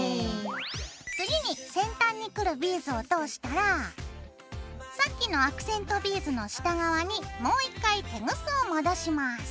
次に先端に来るビーズを通したらさっきのアクセントビーズの下側にもう１回テグスを戻します。